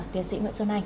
tiến sĩ nguyễn xuân anh